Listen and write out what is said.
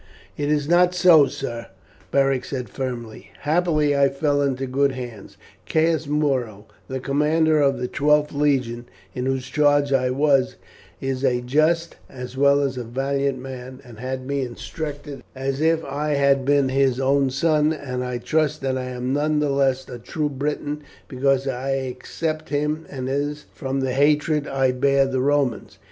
"It is not so, sir," Beric said firmly. "Happily I fell into good hands. Caius Muro, the commander of the 12th Legion, in whose charge I was, is a just as well as a valiant man, and had me instructed as if I had been his own son, and I trust that I am none the less a true Briton because I except him and his from the hatred I bear the Romans.